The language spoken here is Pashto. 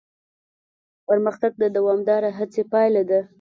پرمختګ د دوامداره هڅې پایله ده.